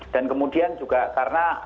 dan kemudian juga karena